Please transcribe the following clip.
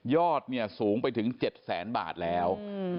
สูงไปถึง๗แสนบาทแล้ว